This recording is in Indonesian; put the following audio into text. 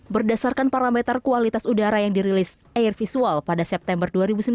berdasarkan parameter kualitas udara yang dirilis air visual pada september dua ribu sembilan belas